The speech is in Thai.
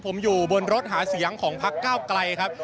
ผมอยู่บนรถหาเสียงของพักเก้าไกลครับ